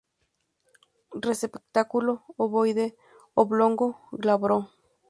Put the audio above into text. Receptáculo ovoide u oblongo, glabro.